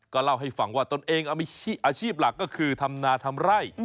เล่าให้ฟังว่าตนเองมีอาชีพหลักก็คือทำนาทำไร่